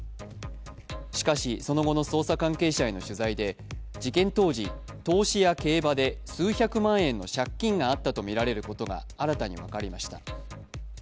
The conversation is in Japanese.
しかし、その後の捜査関係者への取材で事件当時、投資や競馬で数百万円の借金がったと見られることが新たに分かりました。